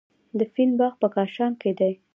د فین باغ په کاشان کې دی.